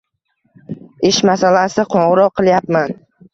Ish masalasida qo'ng’iroq qilayapman.